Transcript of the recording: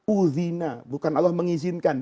uthina bukan allah mengizinkan